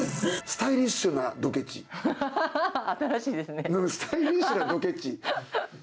スタイリッシュなドケチ。